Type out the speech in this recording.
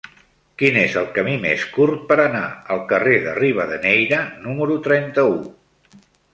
Quin és el camí més curt per anar al carrer de Rivadeneyra número trenta-u?